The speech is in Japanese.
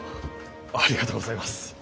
ありがとうございます！